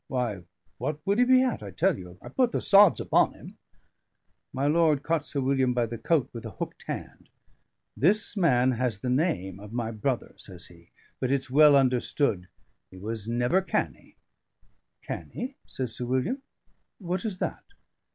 Why, what would he be at? I tell you, I put the sods upon him." My lord caught Sir William by the coat with a hooked hand. "This man has the name of my brother," says he, "but it's well understood that he was never canny." "Canny?" says Sir William. "What is that?"